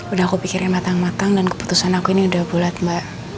udah aku pikirin matang matang dan keputusan aku ini udah bulat mbak